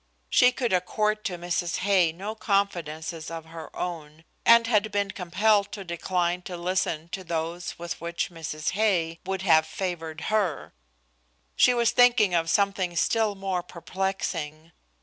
She could accord to Mrs. Hay no confidences of her own, and had been compelled to decline to listen to those with which Mrs. Hay would have favored her. She was thinking of something still more perplexing.